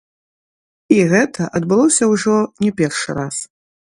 І гэта адбылося ўжо не першы раз.